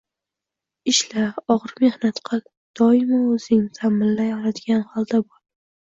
Ishla, og‘ir mehnat qil. Doimo o‘zingni ta’minlay oladigan holda bo‘l.